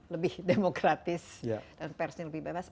lebih demokratis dan persnya lebih bebas